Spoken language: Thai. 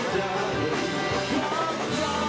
กลับขึ้นไม่ได้กลับไหว